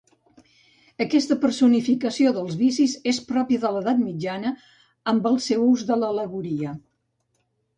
Aquesta personificació dels vicis és pròpia de l'edat mitjana amb el seu ús de l'al·legoria.